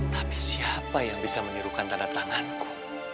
tapi siapa yang bisa menyuruhkan tanda tanganku